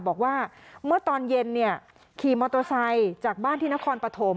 บอกว่าเมื่อตอนเย็นขี่มอเตอร์ไซค์จากบ้านที่นครปฐม